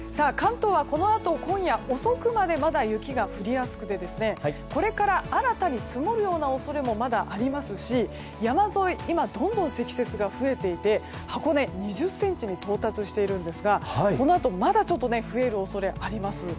関東はこのあと今夜遅くまでまだ雪が降りやすくて、これから新たに積もるような恐れもまだありますし、山沿いどんどん積雪が増えていて箱根は２０ｃｍに到達しているんですがこのあとまだ増える恐れがあります。